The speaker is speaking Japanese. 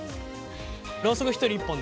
ろうそく一人１本ね。